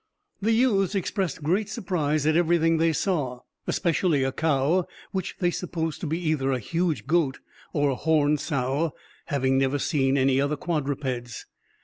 The youths expressed great surprise at everything they saw, especially a cow, which they supposed to be either a huge goat or a horned sow, having never seen any other quadrupeds.